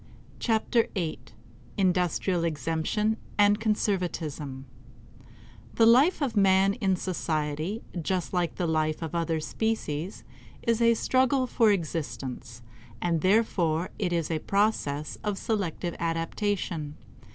Chapter Eight ~~ Industrial Exemption and Conservatism The life of man in society, just like the life of other species, is a struggle for existence, and therefore it is a process of selective adaptation.